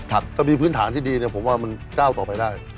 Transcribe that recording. ถ้ามีพื้นฐานที่ดีเนี่ยผมว่ามันก้าวต่อไปได้